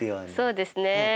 そうですね。